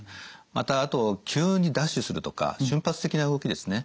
またあと急にダッシュするとか瞬発的な動きですね。